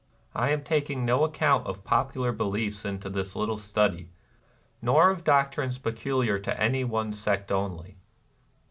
I am taking no account of popular beliefs in this little study, nor of doctrines peculiar to any one sect only.